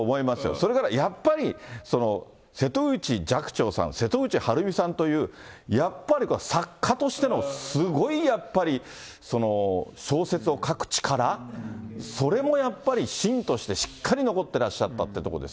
それからやっぱり、瀬戸内寂聴さん、瀬戸内晴美さんという、やっぱり作家としてのすごいやっぱり、小説を書く力、それもやっぱり芯としてしっかり残ってらっしゃったってことです